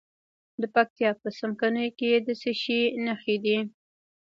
د پکتیا په څمکنیو کې د څه شي نښې دي؟